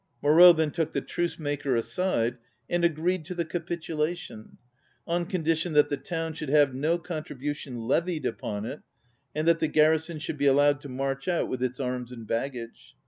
Moreau then took the truce maker aside, and agreed to the capitulation, on condition that the town should have no contribution levied upon it, and that the garrison should be al lowed to march out with its arms and baggage.